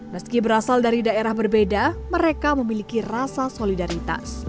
meski berasal dari daerah berbeda mereka memiliki rasa solidaritas